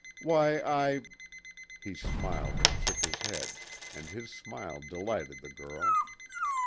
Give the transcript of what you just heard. "Why, I " He smiled and shook his head, and his smile delighted the girl.